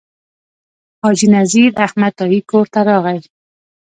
حاجي نذیر احمد تائي کور ته راغی.